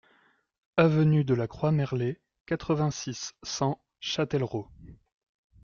Avenue de la Croix Merlet, quatre-vingt-six, cent Châtellerault